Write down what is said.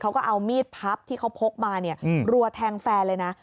เขาก็เอามีดพับที่เขาพกมาเนี่ยรัวแทงแฟนเลยนะ